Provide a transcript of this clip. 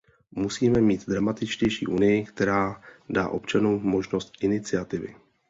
Musíme mít dramatičtější Unii, která dá občanům možnost iniciativy.